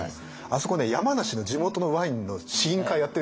あそこね山梨の地元のワインの試飲会やってるんですよ。